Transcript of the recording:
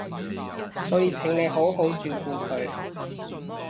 所以請你好好照顧佢